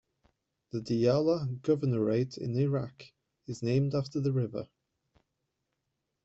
The Diyala Governorate in Iraq is named after the river.